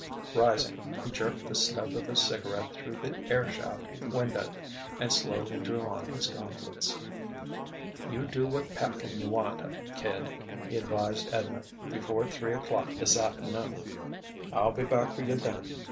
Rising, he jerked the stub of his cigarette through the air shaft window, and slowly drew on his gauntlets. "You do what packin' you wanta, kid," he advised Edna, "before three o'clock thisaft'noon. I'll be back for you then.